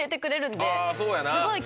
すごい。